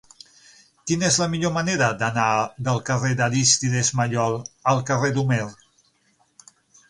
Quina és la millor manera d'anar del carrer d'Arístides Maillol al carrer d'Homer?